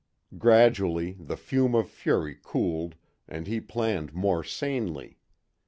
Gradually the fume of fury cooled and he planned more sanely.